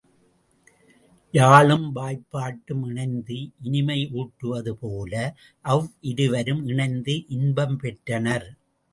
யாழும் வாய்ப்பாட்டும் இணைந்து இனிமை ஊட்டுவது போல அவ்விருவரும் இணைந்து இன்பம் பெற்றனர்.